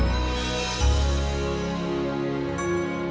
ya jun juga